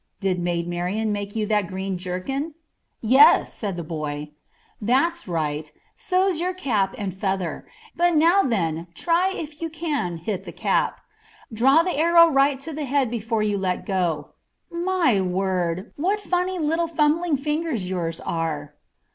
Did Maid Marian make you that green jerkin?" "Yes," said the boy. "That's right; so's your cap and feather. But now then, try if you can hit the cap. Draw the arrow right to the head before you let it go. My word, what funny little fumbling fingers yours are!"